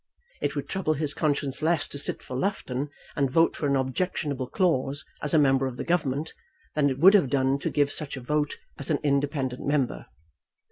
It would trouble his conscience less to sit for Loughton and vote for an objectionable clause as a member of the Government, than it would have done to give such a vote as an independent member.